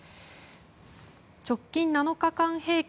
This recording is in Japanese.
直近７日間平均